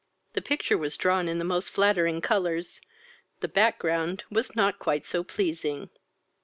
(The picture was drawn in the most flattering colours, the back ground was no quite so pleasing.)